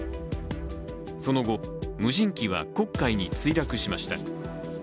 その後、無人機は黒海に墜落しました。